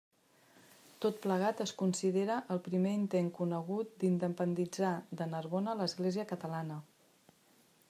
Tot plegat es considera el primer intent conegut d'independitzar de Narbona l'Església catalana.